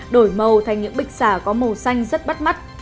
đổi màu thành những bịch xả có màu xanh rất bắt mắt